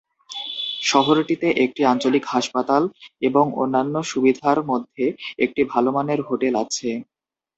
শহরটিতে একটি আঞ্চলিক হাসপাতাল এবং অন্যান্য সুবিধার মধ্যে একটি ভাল মানের হোটেল আছে।